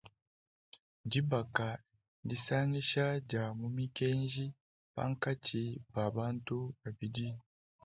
Dibaka ndisangisha dia mu mikenji pankatshi pa bantu babidi.